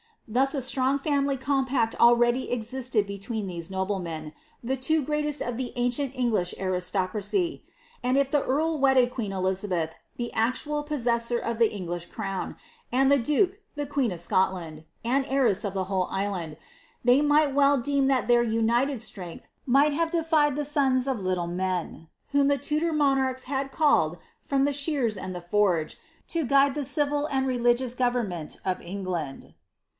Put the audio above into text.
Thus a strong family compact already existed between these noblemen, the two greatest of the ancient English aristocracy ; and if the earl wedded queen Elizabeth, the actual possessor of the English crown, and the duke the queen of Scotland, and heiress of the whole island, they miglit well deem that their united strength might have defied the sons of little men, whom the Tudor monarchs had called from the shears and the forge, to guide the civil and religious government of England.